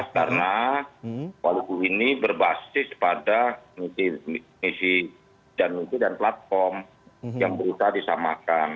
karena kib ini berbasis pada misi dan misi dan platform yang berusaha disamakan